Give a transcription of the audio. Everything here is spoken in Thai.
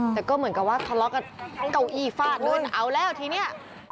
แต่ก็เหมือนกับว่าทะเลาะกับเก้าอี้ฟาดเงินเอาแล้วทีนี้